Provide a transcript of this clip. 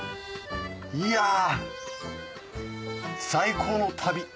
いや最高の旅。